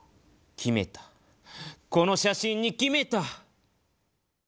決めたこの写真に決めた。